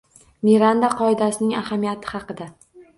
Miranda qoidasining ahamiyati haqida